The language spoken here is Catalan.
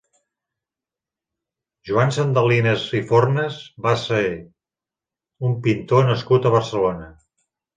Joan Sandalinas i Fornas va ser un pintor nascut a Barcelona.